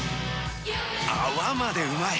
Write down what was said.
泡までうまい！